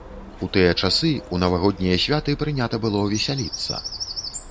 У тыя часы ў навагоднія святы прынята было весяліцца.